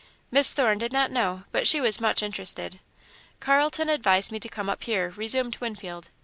Miss Thorne did not know, but she was much interested. "Carlton advised me to come up here," resumed Winfield.